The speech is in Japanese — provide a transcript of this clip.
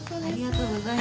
ありがとうございます。